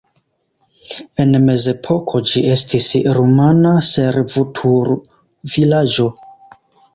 En mezepoko ĝi estis rumana servutulvilaĝo.